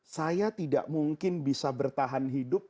saya tidak mungkin bisa bertahan hidup